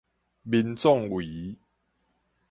民壯圍